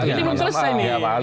ini belum selesai nih